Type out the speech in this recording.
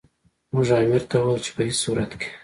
موږ امیر ته وویل چې په هیڅ صورت کې.